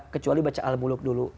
kecuali baca al muluk dulu